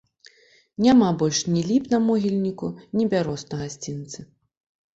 Няма больш ні ліп на могільніку, ні бяроз на гасцінцы.